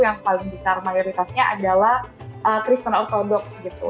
yang paling besar mayoritasnya adalah kristen ortodox gitu